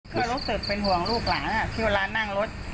เพื่อนรดสืบเป็นห่วงลูกหลานเพียวเวลานั่งรถ